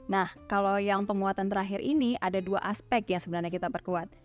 nah kalau yang penguatan terakhir ini ada dua aspek yang sebenarnya kita perkuat